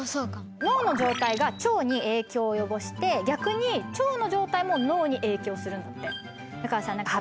脳の状態が腸に影響を及ぼして逆に腸の状態も脳に影響するんだって。